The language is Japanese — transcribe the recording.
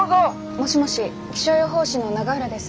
もしもし気象予報士の永浦です。